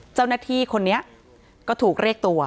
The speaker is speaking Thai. เจ้าหน้าที่คนนี้ก็ถูกเรียกตัว